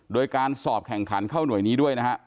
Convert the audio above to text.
โดยการสอบแข่งขันเข้าหน่วยนี้ด้วยนะฮะ